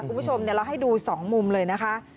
คุณผู้ชมเราให้ดู๒มุมเลยนะคะ